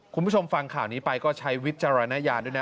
คุณผู้ชมฟังข่าวนี้ไปก็ใช้วิจารณญาณด้วยนะ